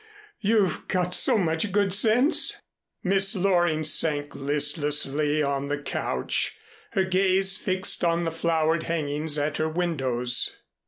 You've got so much good sense " Miss Loring sank listlessly on the couch, her gaze fixed on the flowered hangings at her windows.